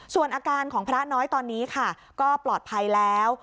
ส่วนอาการของพระน้อยตอนนี้ค่ะก็ปลอดภัยแล้ว